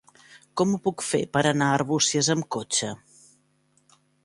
Com ho puc fer per anar a Arbúcies amb cotxe?